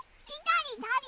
だれ？